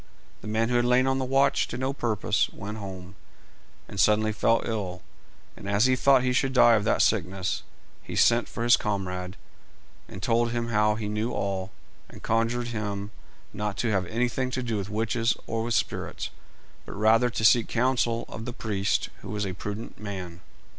The man who had lain on the watch to no purpose went home, and suddenly fell ill; and as he thought he should die of that sickness, he sent for his comrade, and told him how he knew all, and conjured him not to have anything to do with witches or with spirits, but rather to seek counsel of the priest, who was a prudent man.